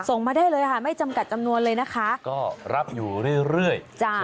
ส่งมาได้เลยค่ะไม่จำกัดจำนวนเลยนะคะก็รับอยู่เรื่อยจ้ะ